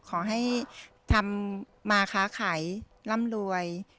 ขอให้ทำมาค้าขายร่ำรวย